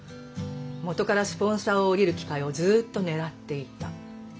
元からスポンサーを降りる機会をずっと狙っていた。